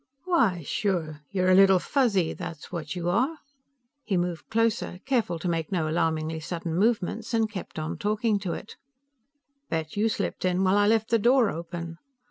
"Why, sure; you're a Little Fuzzy, that's what you are." He moved closer, careful to make no alarmingly sudden movements, and kept on talking to it. "Bet you slipped in while I left the door open.